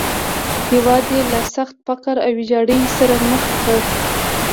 هېواد یې له سخت فقر او ویجاړۍ سره مخ کړ.